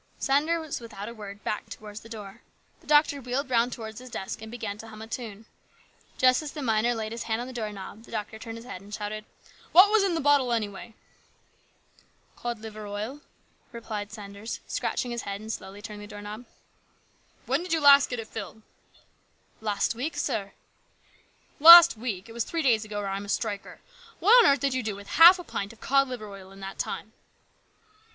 " Sanders without a word backed towards the door. The doctor wheeled round toward his desk and began to hum a tune. Just as the miner laid his hand on the door knob the doctor turned his head and shouted, " What was in the bottle, anyway ?"" Cod liver oil," replied Sanders, scratching his head and slowly turning the door knob. " When did you get it filled ?"" Last week, sir." " Last week ! It was three days ago, or I'm a striker. What on earth did you do with half a pint of cod liver oil in that time